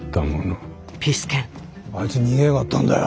あいつ逃げやがったんだよ。